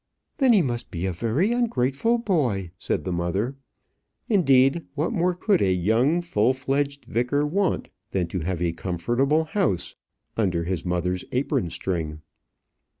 "Then he must be a very ungrateful boy," said the mother. Indeed, what more could a young full fledged vicar want than to have a comfortable house under his mother's apron string?